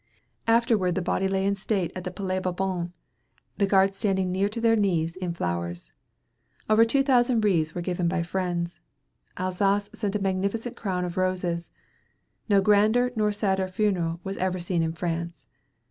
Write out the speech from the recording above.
Afterward the body lay in state at the Palais Bourbon, the guard standing nearly to their knees in flowers. Over two thousand wreaths were given by friends. Alsace sent a magnificent crown of roses. No grander nor sadder funeral was ever seen in France.